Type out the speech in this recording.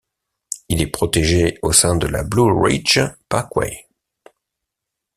Il est protégé au sein de la Blue Ridge Parkway.